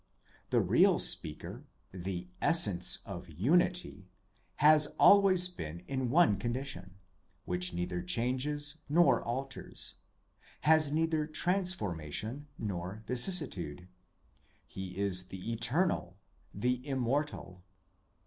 The Real Speaker, the Essence of Unity, has always been in one condition; which neither changes nor alters, has neither transforma tion nor vicissitude. He is the Eternal, the Immortal.